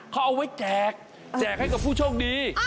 เขาเอาไว้แจกแจกให้กับผู้โชคดี